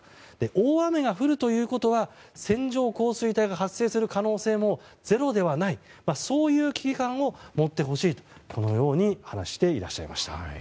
大雨が降るということは線状降水帯が発生する可能性もゼロではないという危機感を持ってほしいと話していらっしゃいました。